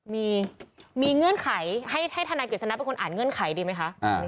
มีมีเงื่อนไขให้ให้ธนายกริจสนับเป็นคนอ่านเงื่อนไขดีไหมคะอ่า